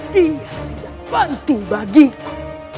dia tidak penting bagiku